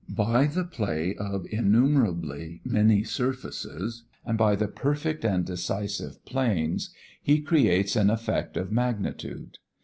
By the play of innumerably many surfaces and by the perfect and decisive planes, he creates an effect of magnitude.